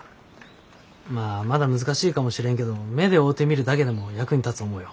まあまだ難しいかもしれんけど目で追おてみるだけでも役に立つ思うよ。